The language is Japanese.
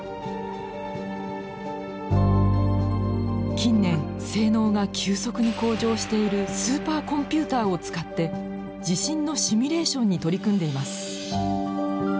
近年性能が急速に向上しているスーパーコンピューターを使って地震のシミュレーションに取り組んでいます。